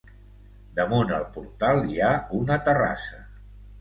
Damunt el portal hi ha una terrassa.